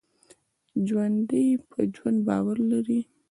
ژوندي په ژوند باور لري